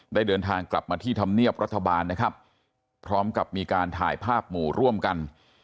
เดินทางกลับมาที่ธรรมเนียบรัฐบาลนะครับพร้อมกับมีการถ่ายภาพหมู่ร่วมกัน